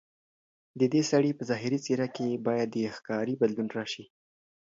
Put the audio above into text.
ددې سړي په ظاهري څېره کې باید د ښکاري بدلون راشي.